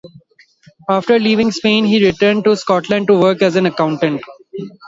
After leaving Spain he returned to Scotland to work as an accountant.